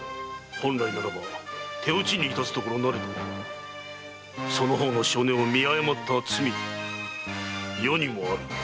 本来ならば手討ちに致すところなれどその方の性根を見誤った罪余にもある。